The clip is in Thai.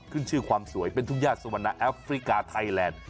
ขึ้นชื่อความสวยเป็นทุ่งญาติสุวรรณาแอฟริกาไทยแลนด์